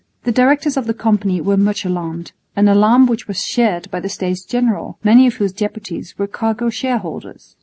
The directors of the Company were much alarmed, an alarm which was shared by the States General, many of whose deputies were cargo shareholders.